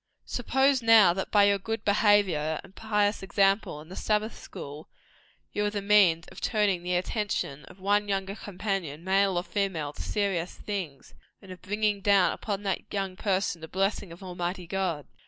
Suppose now that by your good behaviour and pious example in the Sabbath school, you are the means of turning the attention of one younger companion, male or female, to serious things, and of bringing down upon that young person the blessing of Almighty God.